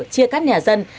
chia cắt nhà dân